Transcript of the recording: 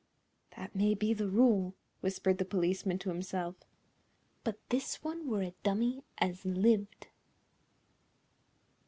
"That may be the rule," whispered the policeman to himself, "but this one were a dummy as lived!"